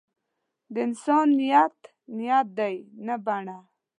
د انسان نیت نیت دی نه بڼه.